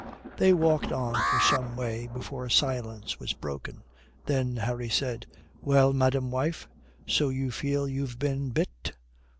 They walked on for some way before silence was broken. Then Harry said: "Well, madame wife, so you feel you've been bit."